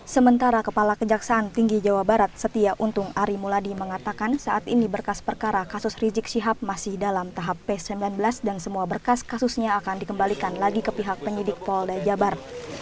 sementara kepala kejaksaan tinggi jawa barat setia untung arimuladi mengatakan saat ini berkas perkara kasus rizik syihab masih dalam tahap p sembilan belas dan semua berkas kasusnya akan dikembalikan lagi ke pihak penyidik polda jabar